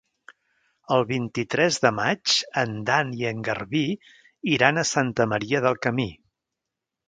El vint-i-tres de maig en Dan i en Garbí iran a Santa Maria del Camí.